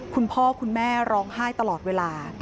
คุณพ่อคุณแม่ร้องไห้ตลอดเวลา